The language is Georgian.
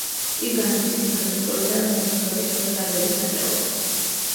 იგი განიცდის ინფრასტრუქტურის და მომსახურების სფეროს დარგების ნაკლებობას.